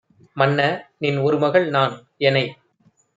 மன்ன! நின் ஒருமகள் நான் - எனை